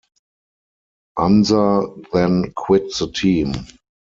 Unser then quit the team.